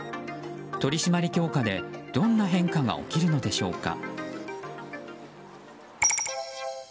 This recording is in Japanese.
取り締まり強化でどんな変化が起きるのでしょうか。